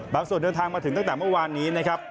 ส่วนเดินทางมาถึงตั้งแต่เมื่อวานนี้นะครับ